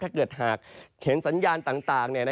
ถ้าเกิดหากเห็นสัญญาณต่าง